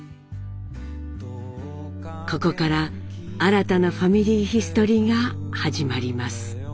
ここから新たな「ファミリーヒストリー」が始まります。